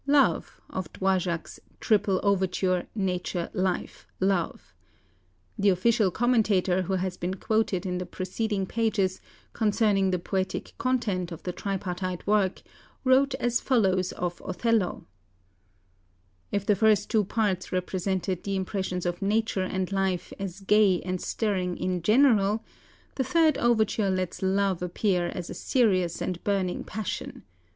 ("Love") of Dvořák's "Triple Overture," "Nature, Life, Love" (see page 85). The official commentator who has been quoted in the preceding pages concerning the poetic content of the tripartite work wrote as follows of "Othello": "If the first two parts represented the impressions of Nature and Life as gay and stirring in general, the third overture lets Love appear as a serious and burning passion.